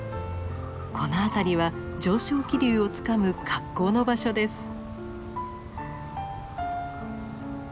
この辺りは上昇気流をつかむ格好の場所です。